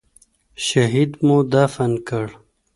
شهيد مو دفن کړ.